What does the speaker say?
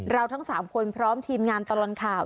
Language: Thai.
ทั้ง๓คนพร้อมทีมงานตลอดข่าว